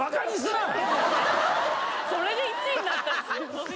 それで１位になったらすごい。